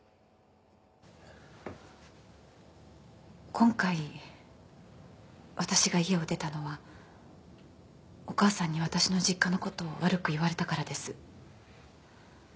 今回わたしが家を出たのはお母さんにわたしの実家のことを悪く言われたからです。